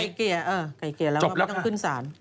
ใกล้เกียร์เออใกล้เกียร์แล้วว่าไม่ต้องขึ้นสาร